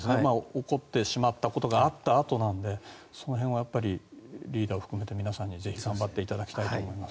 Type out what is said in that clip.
起こってしまったことがあったあとなのでその辺はリーダー含めて皆さんにぜひ頑張っていただきたいと思います。